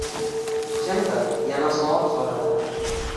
Kimdir yana soat so`radi